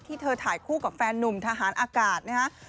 เธอถ่ายคู่กับแฟนนุ่มทหารอากาศนะฮะ